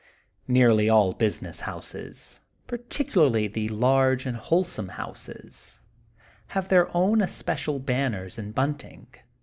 Nearly all business houses, particularly the large and wholesale houses, Lve their own especial banners and bunting!